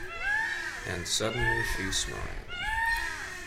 And suddenly she smiled.